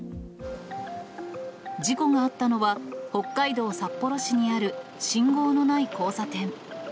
事故があったのは、北海道札幌市にある、信号のない交差点。